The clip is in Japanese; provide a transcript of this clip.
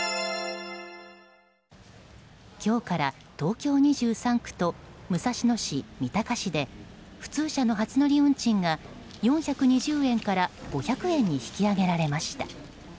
今日から東京２３区と武蔵野市、三鷹市で普通車の初乗り運賃が４２０円から５００円に引き上げられました。